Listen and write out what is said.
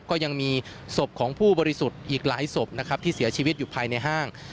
ก็ยังมีศพของผู้บริสุทธิ์อีกหลายศพนะครับที่เสียชีวิตอยู่ภายในห้าง